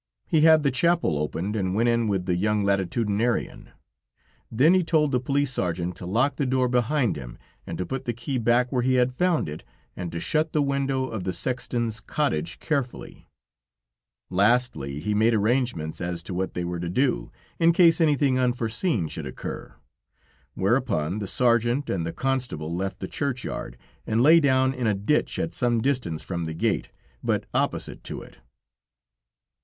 He had the chapel opened and went in with the young Latitudinarian; then he told the police sergeant to lock the door behind him and to put the key back where he had found it, and to shut the window of the sexton's cottage carefully. Lastly, he made arrangements as to what they were to do, in case anything unforeseen should occur, whereupon the sergeant and the constable left the churchyard, and lay down in a ditch at some distance from the gate, but opposite to it.